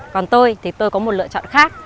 còn tôi thì tôi có một lựa chọn khác